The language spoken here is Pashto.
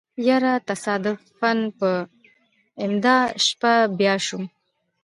يره تصادفاً په امدا شپه بيا شوم.